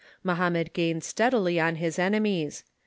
Mohammed gained steadily on his enemies.